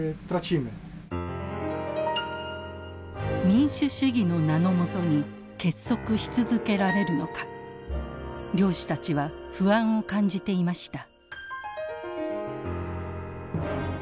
民主主義の名の下に結束し続けられるのか漁師たちは不安を感じていました。